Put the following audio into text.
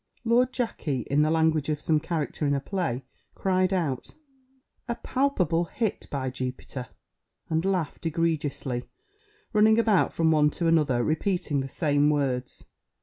Lord Jackey, in the language of some character in a play, cried out, "A palpable hit, by Jupiter!" and laughed egregiously, running about from one to another, repeating the same words.